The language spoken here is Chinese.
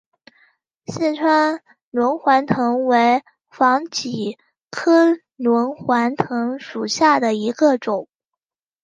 四川轮环藤为防己科轮环藤属下的一个种。